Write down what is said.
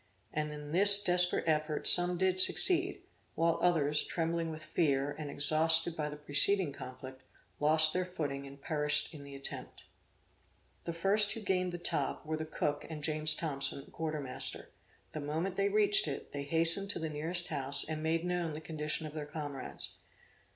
And in this desperate effort some did succeed, while others, trembling with fear, and exhausted by the preceding conflict, lost their footing and perished in the attempt. The first who gained the top, were the cook and James Thompson, a quarter master; the moment they reached it, they hastened to the nearest house and made known the condition of their comrades.